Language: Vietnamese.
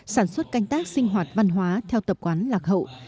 sản xuất canh tác sinh hoạt văn hóa theo tập quán lạc hậu